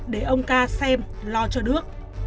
để ông ca xem lo cho đức